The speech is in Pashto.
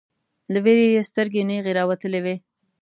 له ویرې یې سترګې نیغې راوتلې وې